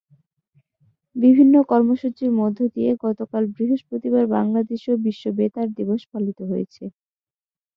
বিভিন্ন কর্মসূচির মধ্য দিয়ে গতকাল বৃহস্পতিবার বাংলাদেশেও বিশ্ব বেতার দিবস পালিত হয়েছে।